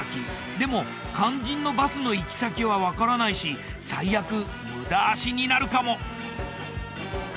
でも肝心のバスの行き先はわからないし最悪無駄足になるかも。